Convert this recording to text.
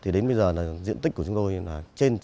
đến bây giờ diện tích của chúng tôi là trên chín trăm linh